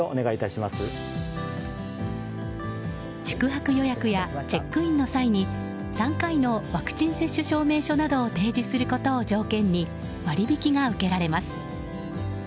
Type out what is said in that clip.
宿泊予約やチェックインの際に３回のワクチン接種証明書などを提示することを条件に割引が受けられます。